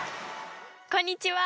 こんにちは！